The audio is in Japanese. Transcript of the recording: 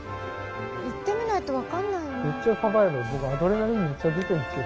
行ってみないと分かんないな。